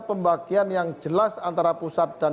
pembagian yang jelas antara pusat dan